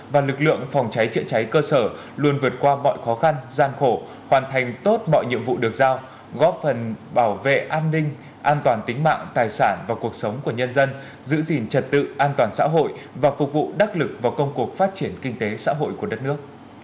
và lực lượng phòng cháy chữa cháy cơ sở luôn vượt qua mọi khó khăn gian khổ hoàn thành tốt mọi nhiệm vụ được giao góp phần bảo vệ an ninh an toàn tính mạng tài sản và cuộc sống của nhân dân giữ gìn trật tự an toàn xã hội và phục vụ đắc lực vào công cuộc phát triển kinh tế xã hội của đất nước